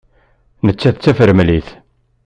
Nettat d tafremlit.